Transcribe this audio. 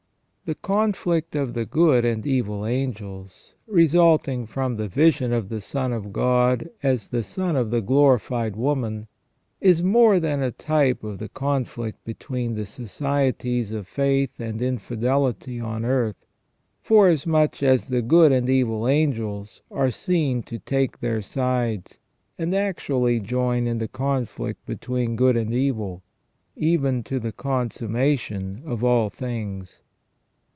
The conflict of the 288 THE FALL OF MAN good and evil angels, resulting from the vision of the Son of God as the Son of the glorified woman, is more than a type of the conflict between the societies of faith and infidelity on earth, for asmuch as the good and evil angels are seen to take their sides and actually join in the conflict between good and evil, even to the consummation of all things.